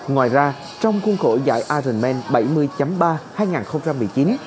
ngoài ra trong khuôn khổ giải arenman bảy mươi ba hai nghìn một mươi chín